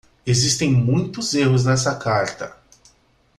Existem muitos erros nessa carta.